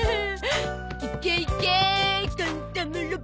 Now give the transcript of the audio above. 「いけーいけーカンタムロボ！」